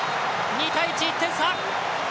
２対１、１点差。